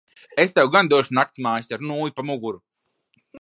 Es tev gan došu naktsmājas ar nūju pa muguru.